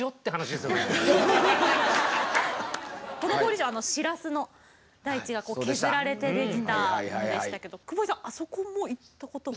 都於郡城シラスの台地が削られてできたものでしたけど久保井さんあそこも行ったことが。